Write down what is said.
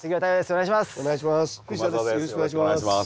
お願いします。